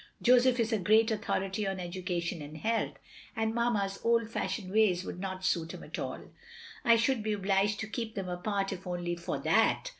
Joseph is a great authority on education and health; and Mamma's old fashioned ways would not suit him at all. I should be obliged to keep them apart if only for that.